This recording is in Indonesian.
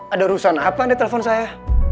ada urusan apa anda telepon saya